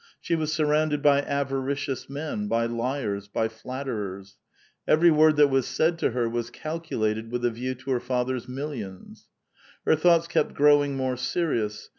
She was surrounded by avaricious men, by liars, by flatterers ; every word that was said to her was calculated with a view to her father's millions. Her thoughts kept growing more serious.